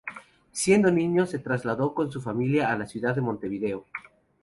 Siendo niño, se trasladó con su familia a la ciudad de Montevideo.